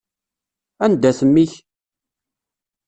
Anda-t mmi-k?